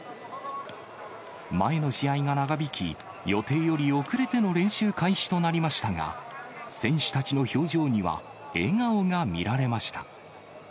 前の試合が長引き、予定より遅れての練習開始となりましたが、選手たちの表情には笑顔が見られました。